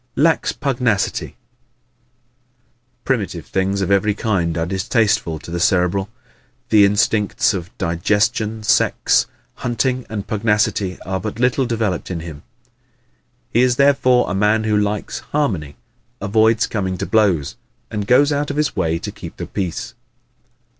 Lacks Pugnacity ¶ Primitive things of every kind are distasteful to the Cerebral. The instincts of digestion, sex, hunting and pugnacity are but little developed in him. He is therefore a man who likes harmony, avoids coming to blows, and goes out of his way to keep the peace.